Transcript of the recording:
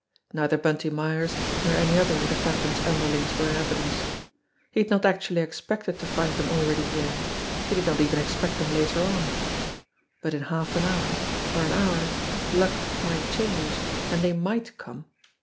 Neither Bunty Myers nor any other of the Phantom's underlings were in evidence. He had not actually expected BEHIND DOORS OF THE UNDERWORLD 159 to find them already here, he did not even expect them later on ; but in half an hour, or an hour, luck might change, and they might come.